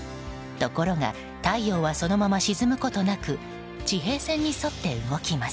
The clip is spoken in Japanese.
ところが太陽はそのまま沈むことなく地平線に沿って動きます。